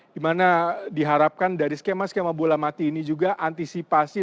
dimana diharapkan dari skema skema bola mati ini juga antisipasi